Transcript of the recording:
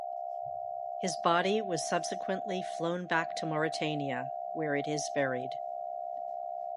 His body was subsequently flown back to Mauritania, where it is buried.